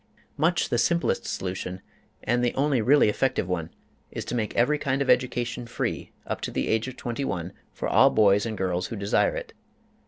Much the simplest solution, and the only really effective one, is to make every kind of education free up to the age of twenty one for all boys and girls who desire it.